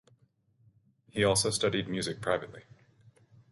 He also studied music privately.